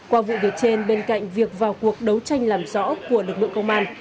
qua vụ việc trên bên cạnh việc vào cuộc đấu tranh làm rõ của lực lượng công an